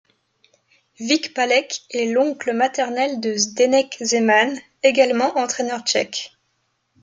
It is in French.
Vycpálek est l'oncle maternel de Zdeněk Zeman, également entraîneur tchèque.